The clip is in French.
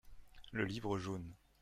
Le livre jaune.